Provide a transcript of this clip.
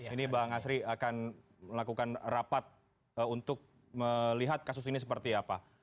ini bang asri akan melakukan rapat untuk melihat kasus ini seperti apa